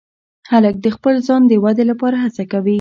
هلک د خپل ځان د ودې لپاره هڅه کوي.